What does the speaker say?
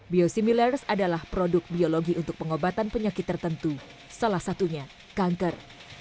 biosimilars adalah produk biologi untuk pengobatan penyakit tertentu salah satunya kanker